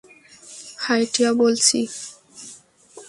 High, Tia বলছি।